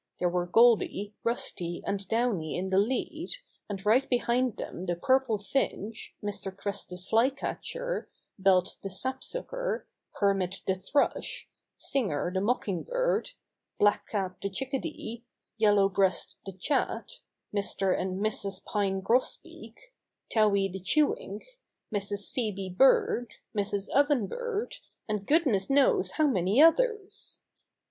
There were Goldy, Rusty and Downy in the lead, and right be hind them the Purple Finch, Mr. Crested The Birds Try to Save the Tree 67 Flycatcher, Belt the Sapsucker, Hermit the Thrush, Singer the Mocking Bird, Black Cap the Chickadee, Yellow Breast the Chat, Mr. and Mrs. Pine Grosbeak, Towhee the Che wink, Mrs. Phoebe Bird, Mrs. Oven Bird, and goodness knows how many others!